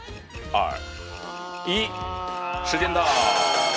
はい！